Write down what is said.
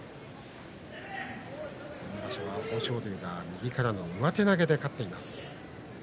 先場所は豊昇龍が右からの上手投げで勝ちました。